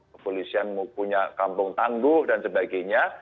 kepolisian punya kampung tangguh dan sebagainya